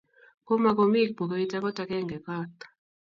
Koma komi bukuit akot akenge kot